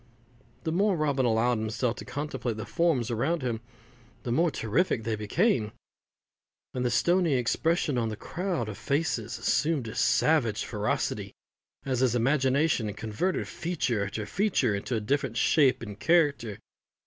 The more Robin allowed himself to contemplate the forms around him, the more terrific they became; and the stoney expression of this crowd of faces assumed a savage ferocity as his imagination converted feature after feature into a different shape and character.